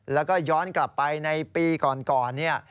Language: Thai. แล้วก็ย้อนกลับไปในปีก่อน